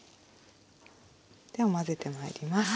では混ぜてまいります。